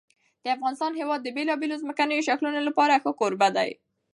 د افغانستان هېواد د بېلابېلو ځمکنیو شکلونو لپاره ښه کوربه دی.